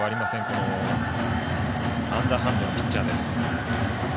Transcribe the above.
このアンダーハンドのピッチャーです。